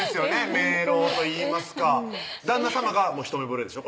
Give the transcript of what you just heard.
明朗といいますか旦那さまが一目ぼれでしょ？